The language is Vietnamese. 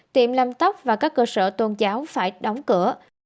tiệm làm tóc và các cơ sở tôn giáo phải đóng cửa